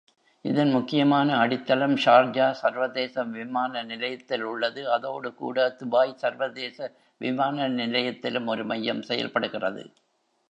இதன் முக்கியமான அடித்தளம் ஷார்ஜா சர்வதேச விமான நிலையத்தில் உள்ளது, அதோடு கூட துபாய் சர்வதேச விமான நிலையத்திலும் ஒரு மையம் செயல்படுகிறது.